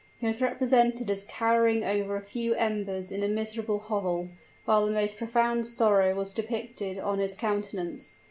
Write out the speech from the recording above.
He was represented as cowering over a few embers in a miserable hovel, while the most profound sorrow was depicted on his countenance.